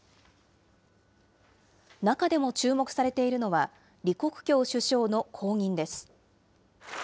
中でも注目されているのは、李克強首相の後任です。